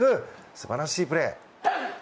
素晴らしいプレー。